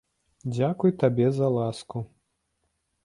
Дзякуй табе за ласку.